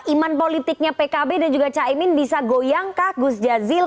iman politiknya pkb dan juga caimin bisa goyang kah gus jazil